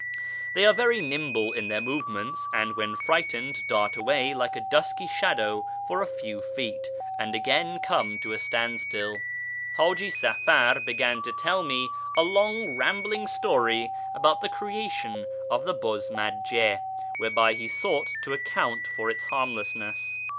They FROM ISFAHAN TO SHIRAz 231 are very nimble in their movements, and when frightened dart away like a dusky shadow for a few feet, and again come to a standstill. H;iji Safar began to tell me a long rambling story about the creation of the Buz majj6, whereby he sought to account for its harmlessness.